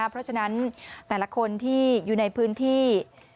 เพราะฉะนั้นแต่ละคนที่อยู่ในพื้นที่